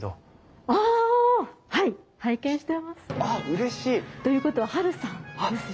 あっうれしい！ということはハルさんですよね？